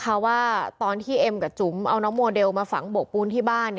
พระมาธรรมพิธีเชิญดวงวิญญาณกลับบ้าน